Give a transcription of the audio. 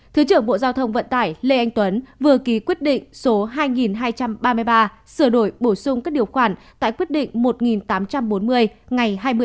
thứ trưởng bộ giao thông vận tải lê anh tuấn vừa ký quyết định số hai nghìn hai trăm ba mươi ba sửa đổi bổ sung các điều khoản tại quyết định một nghìn tám trăm bốn mươi ngày hai mươi